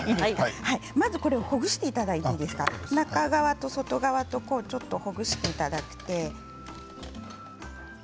まず、これをほぐしていただいて中側と外側とちょっとほぐしていただいて。